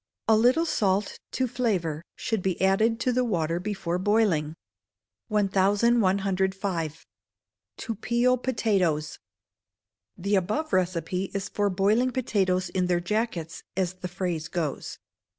A little salt, to flavour, should be added to the water before boiling. 1105. To Peel Potatoes. The above recipe is for boiling potatoes in their jackets, as the phrase goes.